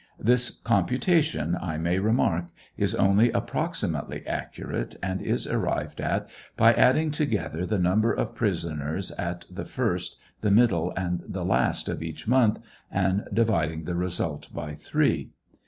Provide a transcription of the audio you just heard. This computation, 1 may remark, is only approximately accurate, and is arrived at by adding together the number of prisoners at the first, the middle, and the last of each month and dividing the result by three.